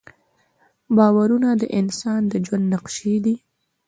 باورونه د انسان د ژوند نقشې دي.